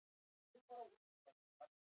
پوهانو په دې لاره کې ډېرې هڅې وکړې.